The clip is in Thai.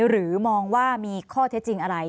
หรือมองว่ามีข้อเท็จจริงอะไร